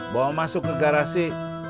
bawa masuk ke garasi